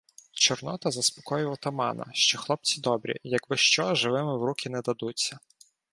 Чорнота заспокоїв отамана, що хлопці добрі, якби що — живими в руки не дадуться.